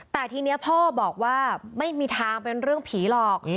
แต่ทีนี้พ่อบอกว่าไม่มีทางเป็นเรื่องผีหรอก